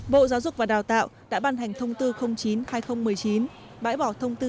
bộ giáo dục và đào tạo đã bàn hành thông tư chín hai nghìn một mươi chín bãi bỏ thông tư ba mươi một hai nghìn chín